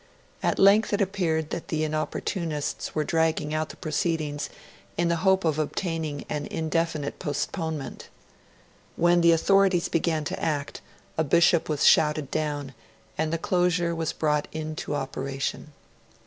At length it appeared that the Inopportunists were dragging out the proceedings in the hope of obtaining an indefinite postponement. Then the authorities began to act; a bishop was shouted down, and the closure was brought into operation.